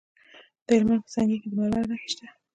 د هلمند په سنګین کې د مرمرو نښې شته.